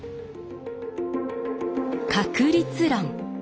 「確率論」。